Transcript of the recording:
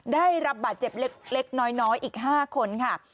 ได้รับบาดเจ็บเล็กน้อยอีก๕คนค่ะ